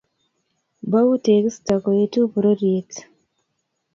Bou tekisto koetu pororiet